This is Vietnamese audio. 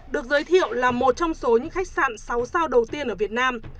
được giới thiệu là một trong số những khách sạn sáu sao đầu tiên ở việt nam